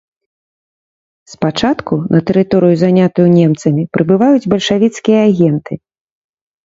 Спачатку на тэрыторыю, занятую немцамі, прыбываюць бальшавіцкія агенты.